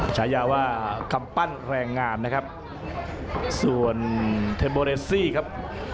ฉายาว่าคำปั้นแรงงานนะครับส่วนเทโบเรซี่ครับ